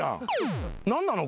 何なの？